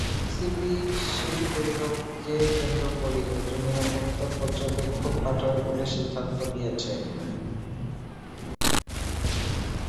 PCB সেই বৈঠককে কেন্দ্র করেই একজন নিরাপত্তা পর্যবেক্ষক পাঠাবে বলে সিদ্ধান্ত নিয়েছে।